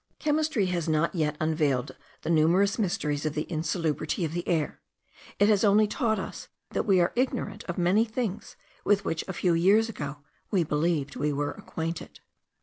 Chemistry has not yet unveiled the numerous mysteries of the insalubrity of the air; it has only taught us that we are ignorant of many things with which a few years ago we believed we were acquainted.